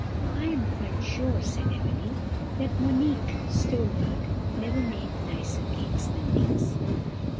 "I am quite sure," said Emily, "that Monique Stolberg never made nicer cakes than these."